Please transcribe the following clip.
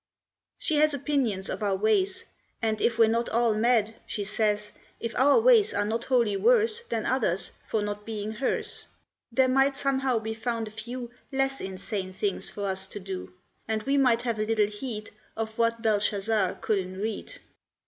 She has opinions of our ways, And if we're not all mad, she says, If our ways are not wholly worse Than others, for not being hers, There might somehow be found a few Less insane things for us to do, And we might have a little heed Of what Belshazzar couldn't read.